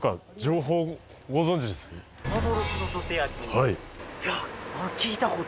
はい。